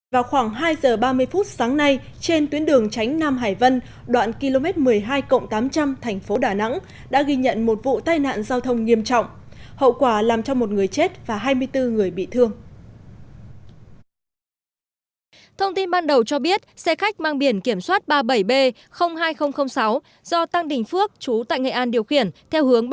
vào khoảng hai giờ ba mươi phút sáng nay trên tuyến đường tránh nam hải vân đoạn km một mươi hai tám trăm linh thành phố đà nẵng đã ghi nhận một vụ tai nạn giao thông nghiêm trọng hậu quả làm cho một người chết và hai mươi bốn người bị thương